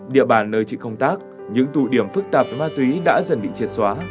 địa bản nơi chị công tác những tụ điểm phức tạp và ma túy đã dần bị triệt xóa